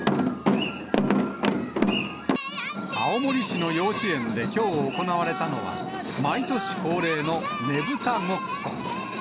青森市の幼稚園できょう行われたのは、毎年恒例のねぶたごっこ。